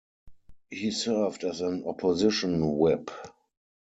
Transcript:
He served as an opposition whip.